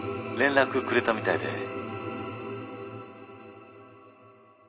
連絡くれたみたいで。